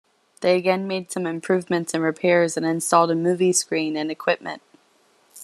They again made some improvements and repairs and installed a movie screen and equipment.